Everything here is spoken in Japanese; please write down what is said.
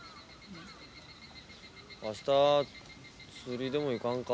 明日釣りでも行かんか？